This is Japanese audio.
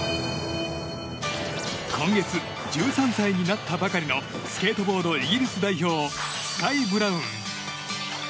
今月、１３歳になったばかりのスケートボード、イギリス代表スカイ・ブラウン。